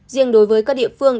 riêng đối với các địa phương